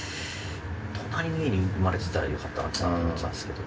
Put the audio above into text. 隣の家に生まれてたらよかったのになと思ってたんですけど。